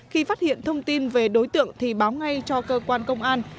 khi phát hiện thông tin về đối tượng thì báo ngay cho cơ quan công an